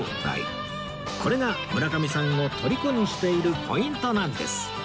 これが村上さんをとりこにしているポイントなんです